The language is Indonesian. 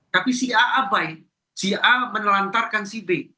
tapi si a abai si a menelantarkan si b